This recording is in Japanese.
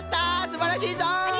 すばらしいぞい！